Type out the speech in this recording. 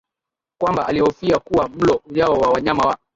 kwamba alihofia kuwa mlo ujao wa wanyama wa